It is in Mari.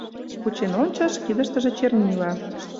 Кучен ончыш — кидыштыже чернила.